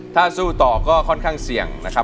ถ้าสู้ต่อก็ค่อนข้างเสี่ยงนะครับ